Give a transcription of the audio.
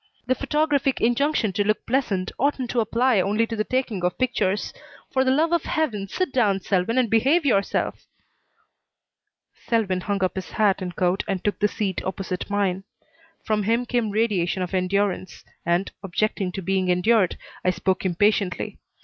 The photographic injunction to look pleasant oughtn't to apply only to the taking of pictures. For the love of Heaven, sit down, Selwyn, and behave yourself!" Selwyn hung up his hat and coat and took the seat opposite mine. From him came radiation of endurance, and, objecting to being endured, I spoke impatiently.